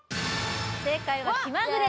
正解は「気まぐれ」